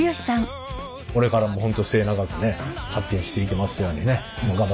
これからも本当末長くね発展していきますようにね頑張っていただいて。